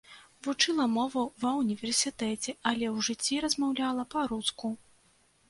Вучыла мову ва ўніверсітэце, але ў жыцці размаўляла па-руску.